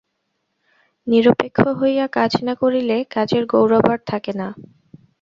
নিরপেক্ষ হইয়া কাজ না করিলে কাজের গৌরব আর থাকে না।